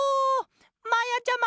まやちゃま！